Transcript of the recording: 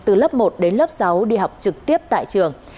từ lớp một đến lớp sáu đi học trực tiếp tại trường